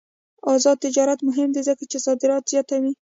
آزاد تجارت مهم دی ځکه چې صادرات زیاتوي.